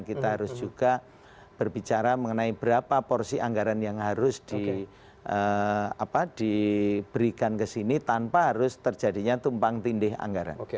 kita harus juga berbicara mengenai berapa porsi anggaran yang harus diberikan ke sini tanpa harus terjadinya tumpang tindih anggaran